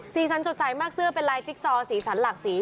สันสดใสมากเสื้อเป็นลายจิ๊กซอสีสันหลากสี